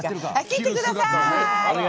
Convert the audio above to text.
切ってください。